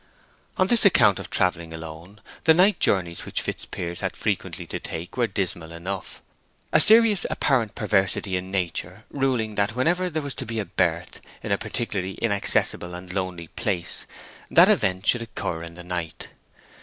On this account of travelling alone, the night journeys which Fitzpiers had frequently to take were dismal enough, a serious apparent perversity in nature ruling that whenever there was to be a birth in a particularly inaccessible and lonely place, that event should occur in the night.